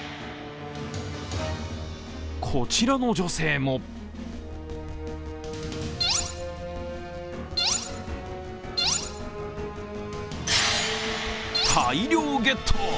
こちらの女性も大量ゲット！